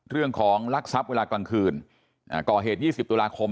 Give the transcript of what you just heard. เรื่องของลักทรัพย์เวลากลางคืนก่อเหตุ๒๐ตุลาคม